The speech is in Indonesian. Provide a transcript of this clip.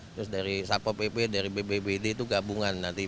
terus dari sapo pp dari bbbd itu gabungan nanti